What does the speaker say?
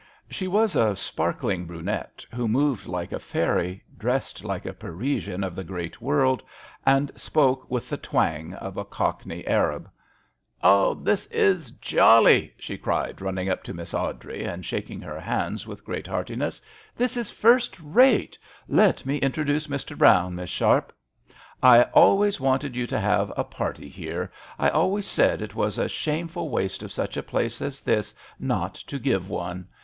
She was a sparkling brunette, who moved like a fairy, dressed like a Parisian of the great world, and spoke with the twang of a cockney arab. " Oh, this is jolly I " she cried, running up to Miss Awdrey and shaking her hands with great heartiness. ''This is first rate. Let me introduce Mr. Brown, Miss Sharp. I always wanted you to have a party here; I always said it was a shameful waste of such a place as this not to give one.